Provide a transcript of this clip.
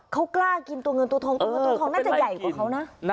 เขากล้ากินตัวเงินตัวทองตัวเงินตัวทองน่าจะใหญ่กว่าเขานะ